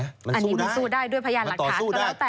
อันนี้มันสู้ได้ด้วยพยานหลักฐานก็แล้วแต่